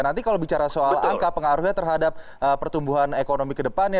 nanti kalau bicara soal angka pengaruhnya terhadap pertumbuhan ekonomi kedepannya